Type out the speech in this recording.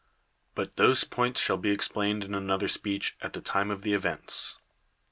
But those points shall be explained in another speech at the time of the events.